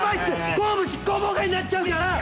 公務執行妨害になっちゃうから！